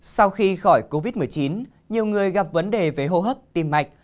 sau khi khỏi covid một mươi chín nhiều người gặp vấn đề về hô hấp tim mạch